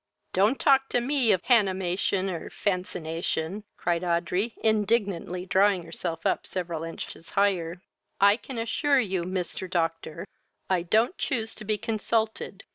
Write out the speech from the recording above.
"Don't talk to me of hannimation or fansenation, (cried Audrey, indignantly drawing herself up several inches higher;) I can assure you, Mr. Doctor, I don't choose to be consulted.